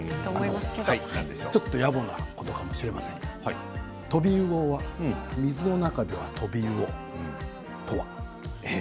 ちょっとやぼなことかもしれませんがトビウオは水の中ではトビウオ、とは。